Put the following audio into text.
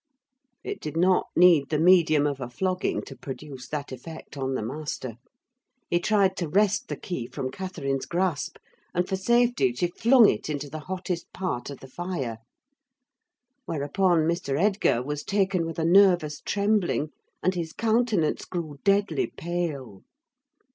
It did not need the medium of a flogging to produce that effect on the master. He tried to wrest the key from Catherine's grasp, and for safety she flung it into the hottest part of the fire; whereupon Mr. Edgar was taken with a nervous trembling, and his countenance grew deadly pale.